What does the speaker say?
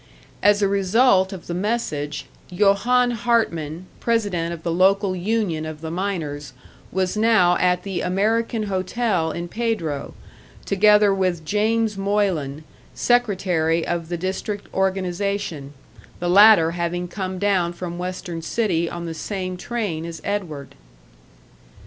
As a result of the message, Johann Hartman, president of the local union of the miners, was now at the American Hotel in Pedro, together with James Moylan, secretary of the district organisation the latter having come down from Western City on the same train as Edward.